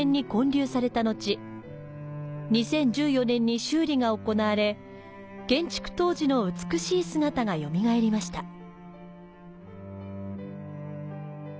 ２０１４年に修理が行われ、建築当時の美しい姿がよみがえりました。